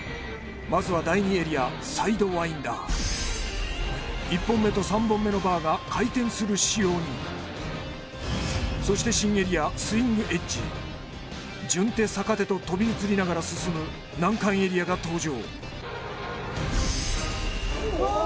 まずは第２エリアサイドワインダー１本目と３本目のバーが回転する仕様にそして新エリアスイングエッジ順手逆手ととび移りながら進む難関エリアが登場わあ